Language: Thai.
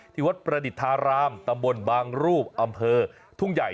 ที่วัดประดิษฐารามตำบลบางรูปอำเภอทุ่งใหญ่